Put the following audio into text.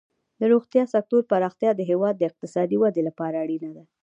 د روغتیا سکتور پراختیا د هیواد د اقتصادي ودې لپاره اړینه ده.